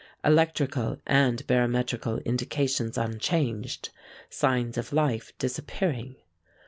Electrical and barometrical indications unchanged. Signs of life disappearing.